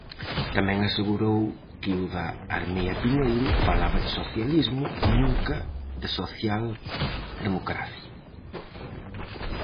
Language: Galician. Tamén asegurou que o da Armea Piñeiro "falaba de socialismo, nunca de socialdemocracia".